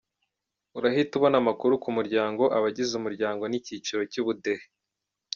Urahita ubona amakuru ku muryango, abagize umuryango n'icyiciro cy'ubudehe.